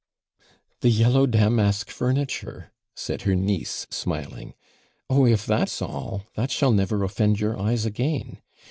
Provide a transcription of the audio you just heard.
'The yellow damask furniture!' said her niece, smiling. Oh, if that's all, that shall never offend your eyes again.